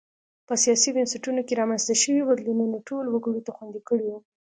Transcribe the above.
په سیاسي بنسټونو کې رامنځته شویو بدلونونو ټولو وګړو ته خوندي کړي وو.